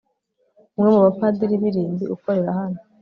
umwe mu bapadiri b'irimbi ukorera hano